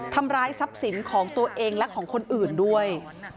ทำร้ายทรัพย์สินของตัวเองและของคนอื่นด้วย